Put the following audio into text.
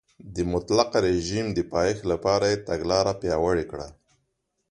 د مطلقه رژیم د پایښت لپاره یې تګلاره پیاوړې کړه.